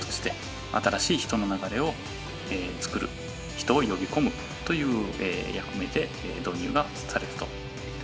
人を呼び込むという役目で導入がされたと。